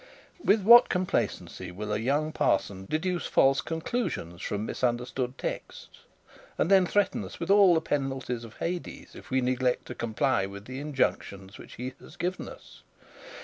With what complacency will a young parson deduce false conclusions from misunderstood texts, and then threaten us with all the penalties of Hades if we neglect to comply with the injunctions he has given us!